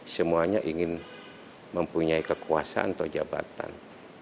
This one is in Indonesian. semuanya ingin mempunyai kekuasaan atau jabatan